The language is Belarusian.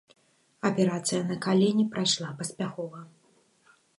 Аперацыя на калене прайшла паспяхова.